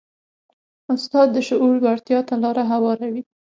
استاد د شعور لوړتیا ته لاره هواروي.